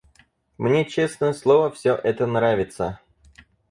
Мне честное слово всё это нравится!